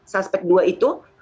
suspek dua itu